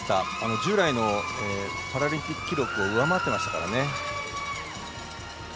従来のパラリンピック記録を上回っていましたからね。